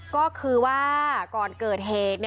ก็คือว่าก่อนเกิดเหตุ